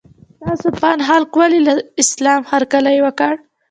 ستاسو په اند خلکو ولې له اسلام هرکلی وکړ؟